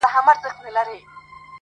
• خره پرخوله لغته ورکړله محکمه -